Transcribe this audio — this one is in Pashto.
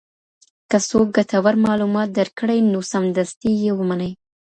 که څوک ګټور معلومات درکړي نو سمدستي یې ومنئ.